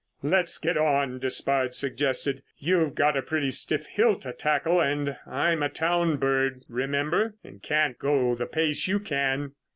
"Let's get on," Despard suggested. "You've got a pretty stiff hill to tackle. And I'm a town bird, remember, and can't go the pace you can."